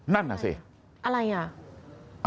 นั่นน่ะสิอะไรอ่ะ